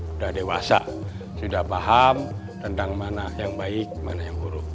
sudah dewasa sudah paham tentang mana yang baik mana yang buruk